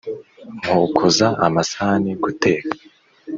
nko koza amasahani, guteka